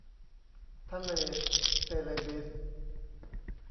ทะเลเซเลบีส